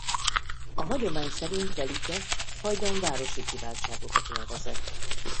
A hagyomány szerint Velike hajdan városi kiváltságokat élvezett.